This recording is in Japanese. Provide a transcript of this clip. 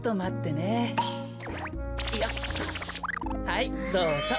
はいどうぞ。